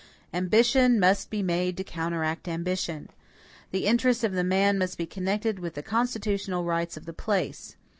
Ambition must be made to counteract ambition. The interest of the man must be connected with the constitutional rights of the place.